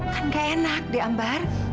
kan gak enak di ambar